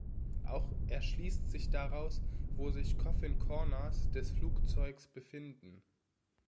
Auch erschließt sich daraus, wo sich Coffin Corners des Flugzeugs befinden.